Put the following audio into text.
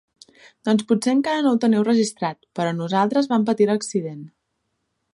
Doncs potser encara no ho teniu registrat, però nosaltres vam patir l'accident.